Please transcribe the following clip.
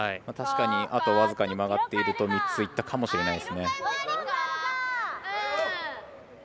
確かにあと僅かに曲がっていたら３つ、いっていたかもしれないですね。